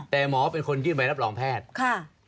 แต่หมอเป็นคนยื่นใบรับรองแพทย์